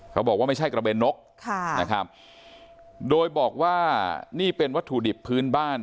ไม่ใช่กระเบนนกค่ะนะครับโดยบอกว่านี่เป็นวัตถุดิบพื้นบ้าน